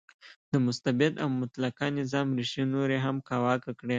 د مستبد او مطلقه نظام ریښې نورې هم کاواکه کړې.